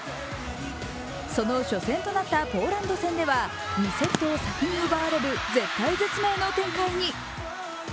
その初戦となったポーランド戦では２セットを先に奪われる絶体絶命の展開に。